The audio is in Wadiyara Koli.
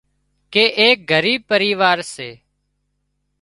ڪي ايڪ ڳريٻ پريوار سي